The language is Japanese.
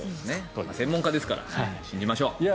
専門家だから信じましょう。